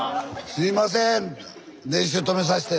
すいません練習止めさして。